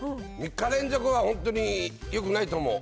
３日連続は本当によくないと思う。